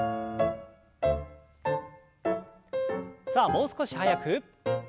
さあもう少し速く。